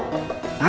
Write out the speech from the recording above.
tanya yang banyak